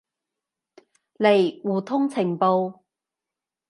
嚟互通情報